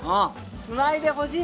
つないでほしい！